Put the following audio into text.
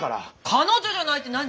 彼女じゃないって何？